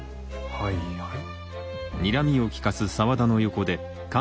はいはい。